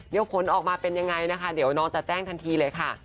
เดี๋ยวผลออกมาเป็นยังไงนะคะเดี๋ยวน้องจะแจ้งทันทีเลยค่ะ